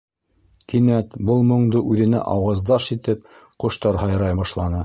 Кинәт был моңдо үҙенә ауаздаш итеп, ҡоштар һайрай башланы.